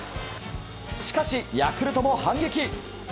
しかし、ヤクルトも反撃。